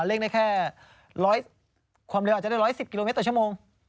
เร่งได้แค่๑๐๐ความเร็วอาจจะได้๑๑๐กิโลเมตรต่อชั่วโมง